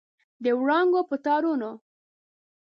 د وړانګو په تارونو